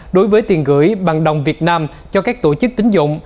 đối với tiền gửi bằng đồng việt nam cho các tổ chức tính dụng